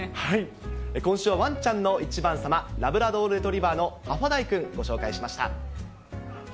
今週はワンちゃんの１番さま、ラブラドールレトリバーのハファダイくん、ご紹介しました。